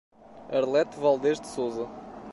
Arlete Valdez de Souza